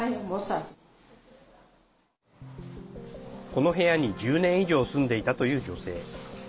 この部屋に１０年以上住んでいたという女性。